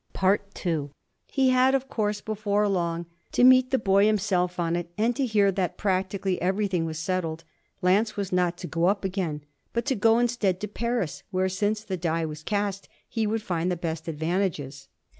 II He had of course before long to meet the boy himself on it and to hear that practically everything was settled. Lance was not to go up again, but to go instead to Paris where, since the die was cast, he would find the best advantages.